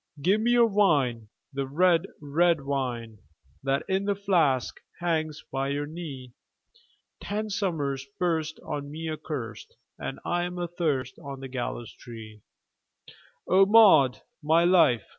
"Give me your wine, the red, red wine, That in the flask hangs by your knee! Ten summers burst on me accurst, And I'm athirst on the gallows tree." "O Maud, my life!